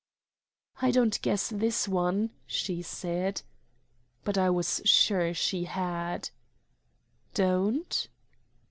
"I don't guess this one," she said. But I was sure she had. "Don't?"